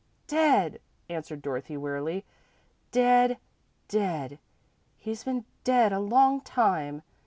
"Dead," answered Dorothy, wearily; "dead, dead. He's been dead a long time.